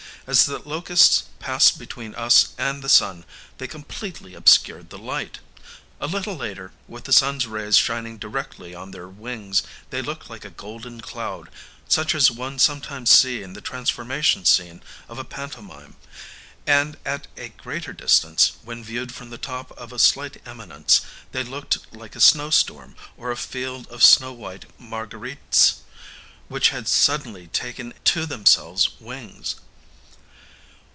As the locusts passed between us and the sun they completely obscured the light; a little later, with the sun's rays shining directly on their wings, they looked like a golden cloud, such as one sometimes sees in the transformation scene of a pantomime; and, at a greater distance, when viewed from the top of a slight eminence, they looked like a snow storm, or a field of snow white marguerites, which had suddenly taken to themselves wings.